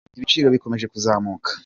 Ibiciro bikomeje kuzamuka